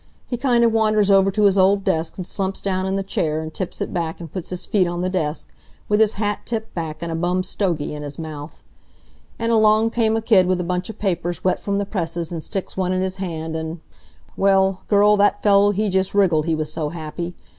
He kind of wanders over to his old desk and slumps down in the chair, and tips it back, and puts his feet on the desk, with his hat tipped back, and a bum stogie in his mouth. And along came a kid with a bunch of papers wet from the presses and sticks one in his hand, and well, girl, that fellow, he just wriggled he was so happy.